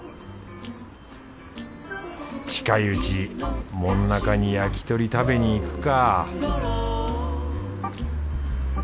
近いうち門仲に焼き鳥食べにいくか